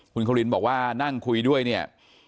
คุณควินบอกว่านั่งคุยด้วยเนี่ย